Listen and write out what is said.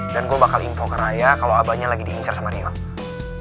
dan gue bakal info ke raya kalau abahnya lagi diincar sama riong